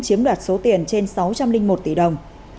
chiếm đoạt số tiền trên sáu trăm linh một tỷ đồng